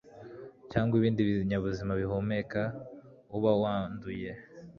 cyangwa ibindi binyabuzima bihumeka, uba wanduye